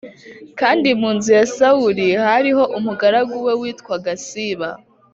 Kandi mu nzu ya Sawuli hariho umugaragu we witwaga Siba